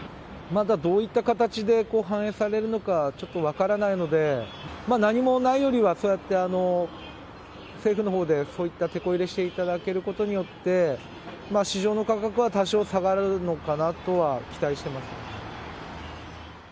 まだどういった形で反映されるのか、ちょっと分からないので、何もないよりはそうやって政府のほうで、そういったテコ入れしていただけることによって、市場の価格は多少下がるのかなとは期待してます。